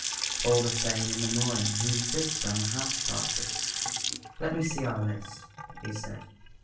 All the same, in the morning, he insisted on the house party. "Let me see our list," he said.